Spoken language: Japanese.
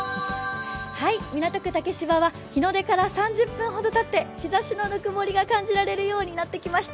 港区竹芝は日の出から３０分ほどたって日ざしのぬくもりが感じられるようになってきました。